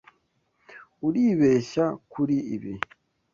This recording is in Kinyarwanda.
Uribeshya kuri ibi.